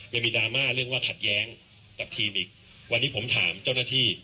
ยังมีดราม่าเรื่องว่าขัดแย้งกับทีมอีกวันนี้ผมถามเจ้าหน้าที่